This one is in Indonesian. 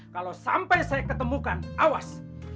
kalau sampai saya ketemukan awas